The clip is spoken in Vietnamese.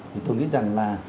thì tôi nghĩ rằng là